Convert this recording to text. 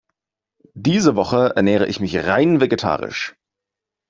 Diese Woche ernähre ich mich rein vegetarisch.